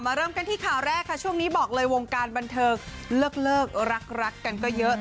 เริ่มกันที่ข่าวแรกค่ะช่วงนี้บอกเลยวงการบันเทิงเลิกรักกันก็เยอะ